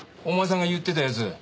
お前さんが言ってた奴